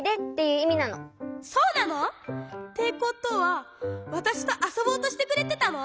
そうなの！？ってことはわたしとあそぼうとしてくれてたの？